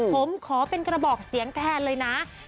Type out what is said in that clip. ผมขอเป็นกระบอกเสียงแทนเลยนะ